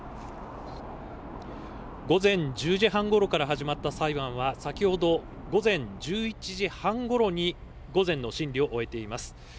午前１０時半ごろから始まった裁判は先ほど午前１１時半ごろに午前の審理を終えています。